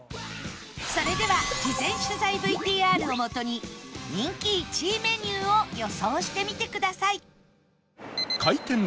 それでは事前取材 ＶＴＲ をもとに人気１位メニューを予想してみてください